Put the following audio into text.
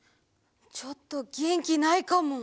ちょっとげんきないかも。